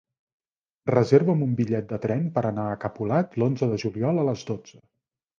Reserva'm un bitllet de tren per anar a Capolat l'onze de juliol a les dotze.